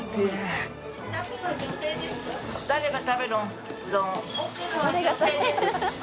「誰が食べる」